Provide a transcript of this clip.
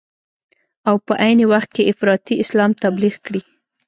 او په عین وخت کې افراطي اسلام تبلیغ کړي.